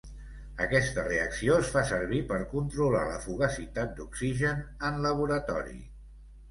Aquesta reacció es fa servir per controlar la fugacitat d'oxigen en laboratori.